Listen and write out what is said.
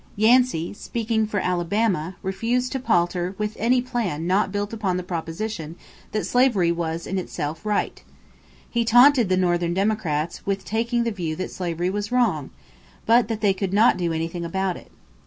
Yancey, speaking for Alabama, refused to palter with any plan not built on the proposition that slavery was in itself right. He taunted the Northern Democrats with taking the view that slavery was wrong, but that they could not do anything about it.